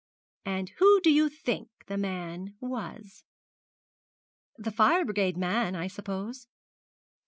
And who do you think the man was?' 'The fire brigade man, I suppose.'